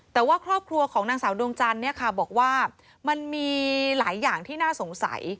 แต่ว่าครอบครัวของนางสาวดวงจันทร์เนี่ยค่ะบอกว่ามันมีหลายอย่างที่น่าสงสัย